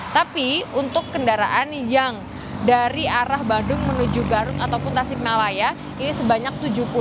tapi untuk kendaraan yang dari arah badung menuju garut ataupun tasik malaya ini sebanyak tujuh puluh